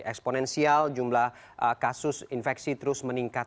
eksponensial jumlah kasus infeksi terus meningkat